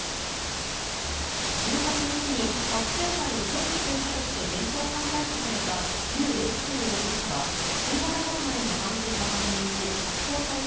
１８日に覚醒剤を所持していたとして現行犯逮捕されたリュウ・ヨククウ容疑者は新型コロナへの感染が判明し釈放された